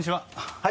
はい。